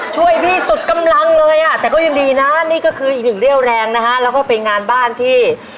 ช่วยพี่สุดกำลังเลยอ่ะแต่ก็ยังดีนะนี่ก็คืออีกหนึ่งเรี่ยวแรงนะฮะแล้วก็เป็นงานบ้านที่